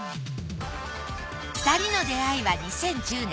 ２人の出会いは２０１０年。